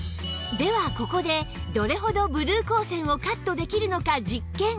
ではここでどれほどブルー光線をカットできるのか実験